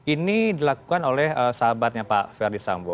ini dilakukan oleh sahabatnya pak ferdi sambo